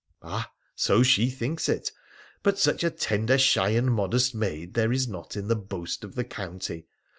4 Ah ! so she thinks it. Such a tender, shy, and modest maid there is not in the boast of the county.